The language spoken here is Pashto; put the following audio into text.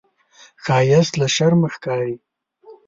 ښایست له شرمه ښکاري